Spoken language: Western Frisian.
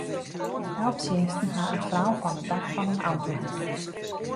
Helptsjinsten ha in frou fan it dak fan in auto helle.